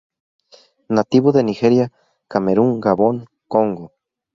Nativo de Nigeria, Camerún, Gabón, Congo.